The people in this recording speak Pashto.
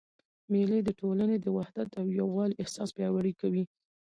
مېلې د ټولني د وحدت او یووالي احساس پیاوړی کوي.